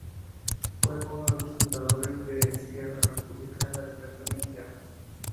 Fue uno de los fundadores de Esquerra Republicana de Catalunya.